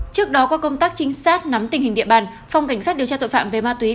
trước đó qua công tác trinh sát nắm tình hình địa bàn phòng cảnh sát điều tra tội phạm về ma túy